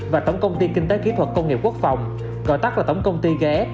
và tổng công ty kinh tế kỹ thuật công nghiệp quốc phòng gọi tắt là tổng công ty ghé